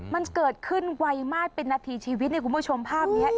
มันเกิดขึ้นไวมากเป็นนาทีชีวิตเนี่ยคุณผู้ชมภาพนี้